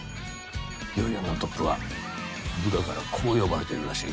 ４４のトップは部下からこう呼ばれているらしい。